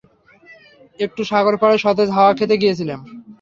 একটু সাগর পাড়ের সতেজ হাওয়া খেতে গিয়েছিলাম।